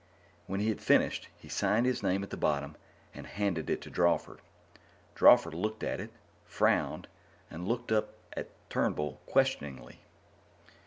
_ When he had finished, he signed his name at the bottom and handed it to Drawford. Drawford looked at it, frowned, and looked up at Turnbull questioningly.